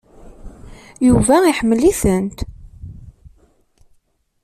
Yuba iḥemmel-itent.